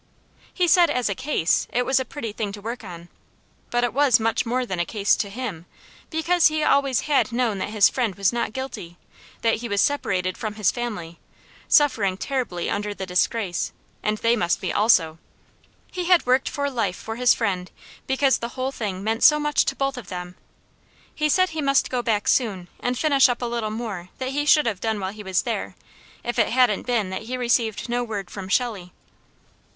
He said as a Case, it was a pretty thing to work on; but it was much more than a case to him, because he always had known that his friend was not guilty; that he was separated from his family, suffering terribly under the disgrace, and they must be also. He had worked for life for his friend, because the whole thing meant so much to both of them. He said he must go back soon and finish up a little more that he should have done while he was there, if it hadn't been that he received no word from Shelley.